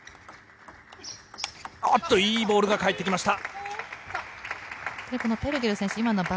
いいボールが返ってきました。